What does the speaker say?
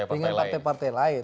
dengan partai partai lain